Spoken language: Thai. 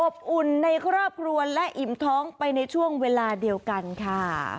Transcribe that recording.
อุ่นในครอบครัวและอิ่มท้องไปในช่วงเวลาเดียวกันค่ะ